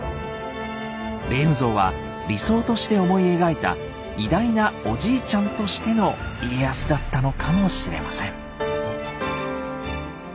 「霊夢像」は理想として思い描いた偉大なおじいちゃんとしての家康だったのかもしれません。